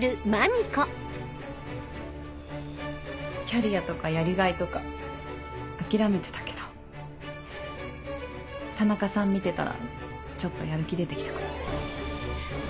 キャリアとかやりがいとか諦めてたけど田中さん見てたらちょっとやる気出て来たかも。